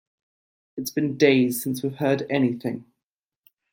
It's been days since we've heard anything.